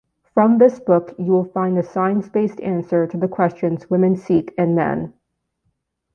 From this book, you will find a science-based answer to the questions women seek in men.